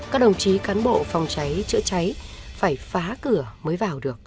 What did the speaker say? các đồng chí cán bộ phòng cháy chữa cháy phải phá cửa mới vào được